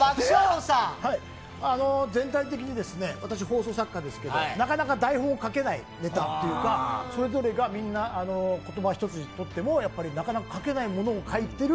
全体的に私、放送作家ですけどなかなか台本を書けないネタというかそれぞれが僕は言葉一つ取ってもなかなか書けないものを書いている。